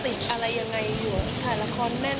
ติดอะไรอย่างไรอยู่ถ่ายละครแน่นอน